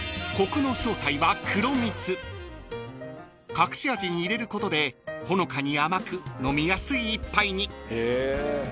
［隠し味に入れることでほのかに甘く飲みやすい一杯に］